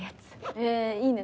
へぇいいね